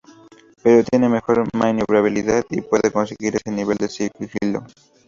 Pero tiene mejor maniobrabilidad y puede conseguir ese nivel de sigilo.